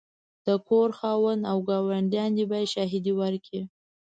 د کور خاوند او ګاونډیان دي باید شاهدې ورکړې.